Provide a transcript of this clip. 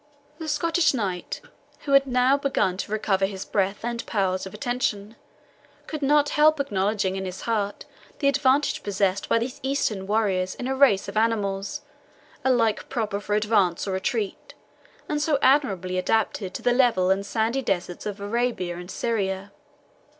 The Scottish knight, who had now begun to recover his breath and powers of attention, could not help acknowledging in his heart the advantage possessed by these Eastern warriors in a race of animals, alike proper for advance or retreat, and so admirably adapted to the level and sandy deserts of Arabia and Syria.